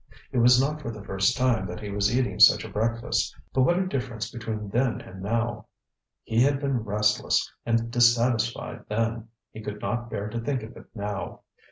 It was not for the first time that he was eating such a breakfast, but what a difference between then and now! He had been restless and dissatisfied then; he could not bear to think of it, now.